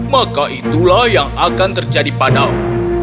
maka itulah yang akan terjadi padamu